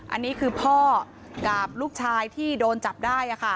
อันนี้คือพ่อกับลูกชายที่โดนจับได้